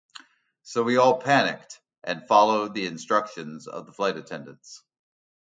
So we all panicked and followed the instructions of the flight attendants.